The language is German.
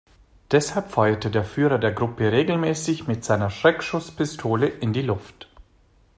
Deshalb feuerte der Führer der Gruppe regelmäßig mit seiner Schreckschusspistole in die Luft.